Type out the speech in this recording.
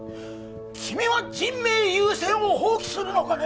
君は人命優先を放棄するのかね？